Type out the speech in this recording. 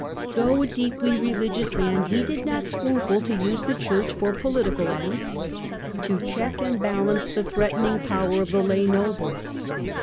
Though a deeply religious man, he did not scruple to use the Church for political ends, to check and balance the threatening power of the lay nobles.